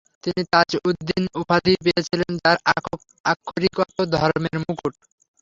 তিনি 'তাজ-উদ-দ্বীন' উপাধি পেয়েছিলেন যার আক্ষরিক অর্থ 'ধর্মের মুকুট'।